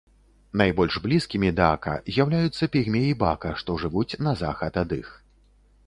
Найбольш блізкімі да ака з'яўляюцца пігмеі бака, што жывуць на захад ад іх.